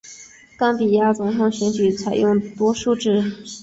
冈比亚总统选举采用多数制。